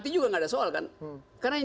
tetahanan menjadi calon presiden